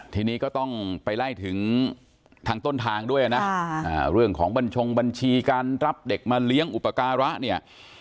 ทีนี้ก็ต้องไปไล่ถึงทางต้นทางด้วยนะเรื่องของบัญชงบัญชีการรับเด็กมาเลี้ยงอุปการะเนี่ย